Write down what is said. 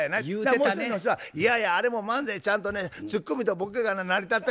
もう一人の人はいやいやあれも漫才ちゃんとねつっこみとボケが成り立って。